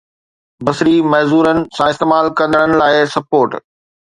بصري معذورن سان استعمال ڪندڙن لاءِ سپورٽ